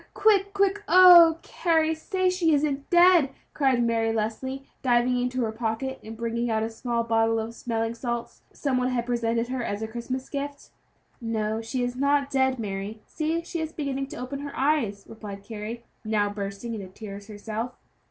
quick! quick! Oh, Carry, say she isn't dead!" cried Mary Leslie, diving into her pocket and bringing out a small bottle of smelling salts that some one had presented her as a Christmas gift. "No, she is not dead, Mary; see, she is beginning to open her eyes," replied Carry, now bursting into tears herself.